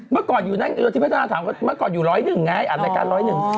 เมื่อก่อนอยู่ร้อยหนึ่งไงอันรายการร้อยหนึ่ง